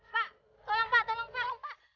masya allah adik